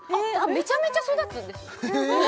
めちゃめちゃ育つんですよ